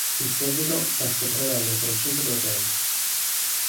In seguito passa per un anno ai francesi del Rennes.